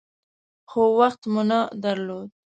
خو وخت مو نه درلود .